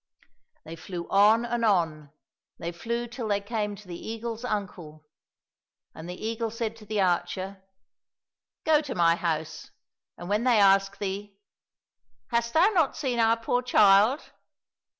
They flew on and on, they flew till they came to the eagle's uncle. And the eagle said to the archer, " Go to my house, and when they ask thee, * Hast thou not seen our poor child